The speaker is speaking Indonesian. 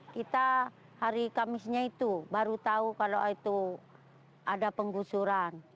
kita hari kamisnya itu baru tahu kalau itu ada penggusuran